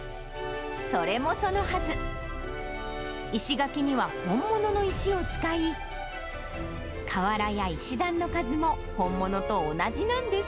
それもそのはず、石垣には本物の石を使い、瓦や石段の数も本物と同じなんです。